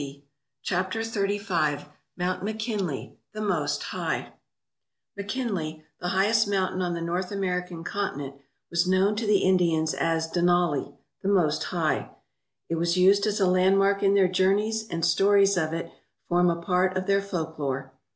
280 CHAPTER XXXV MOUNT MCKINLEY, THE "MOST HIGH" M3KINLEY, the highest mountain on the North American continent, was known to the In dians as Denali, the "Most High/' It was used as a landmark in their journeys and stories of it form a part of their folk lore.